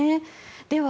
では